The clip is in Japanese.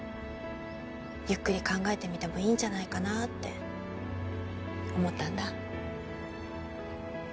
ゆっくり考えてみてもいいんじゃないかなって思ったんだ。